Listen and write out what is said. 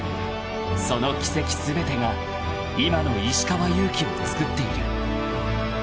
［その軌跡全てが今の石川祐希をつくっている］